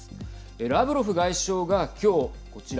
ラブロフ外相が今日、こちら